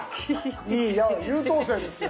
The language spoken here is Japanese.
いや優等生ですよ。